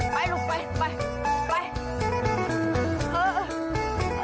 ไปลูก